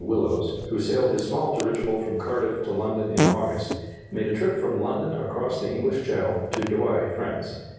Willows, who sailed his small dirigible from Cardiff to London in August, made a trip from London across the English Channel to Douai, France.